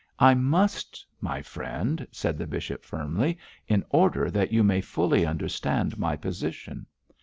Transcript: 'I must, my friend,' said the bishop, firmly, 'in order that you may fully understand my position.